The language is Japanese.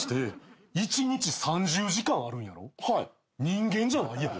人間じゃないやん。